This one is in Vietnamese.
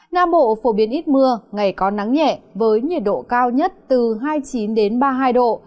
nam bộ phổ biến ít mưa ngày có nắng nhẹ với nhiệt độ cao nhất từ hai mươi chín ba mươi hai độ